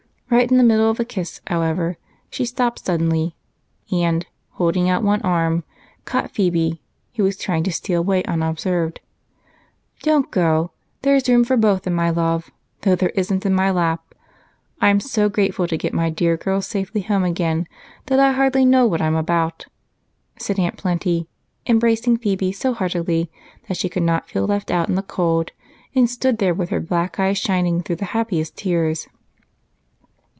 Right in the middle of a kiss, however, she stopped suddenly and, holding out one arm, caught Phebe, who was trying to steal away unobserved. "Don't go there's room for both in my love, though there isn't in my lap. I'm so grateful to get my dear girls safely home again that I hardly know what I'm about," said Aunt Plenty, embracing Phebe so heartily that she could not feel left out in the cold and stood there with her black eyes shining through the happiest tears.